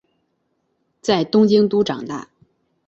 在东京都长大。